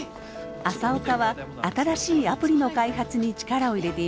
朝岡は新しいアプリの開発に力を入れていました。